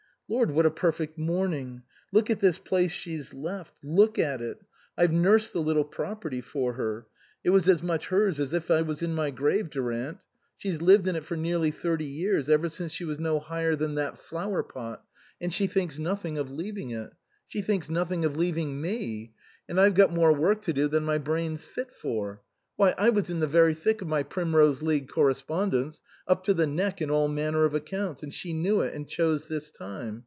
" Lord, what a perfect morning ! Look at this place she's left ; look at it ! I've nursed the little property for her ; it was as much hers as if I was in my grave, Durant. She's lived in it for nearly thirty years, ever since she was no 132 INLAND higher than that flower pot, and she thinks nothing of leaving it. She thinks nothing of leaving me. And I've got more work to do than my brain's fit for ; why I was in the very thick of my Primrose League correspondence, up to the neck in all manner of accounts ; and she knew it, and chose this time.